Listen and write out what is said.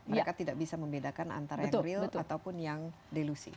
mereka tidak bisa membedakan antara yang real ataupun yang delusi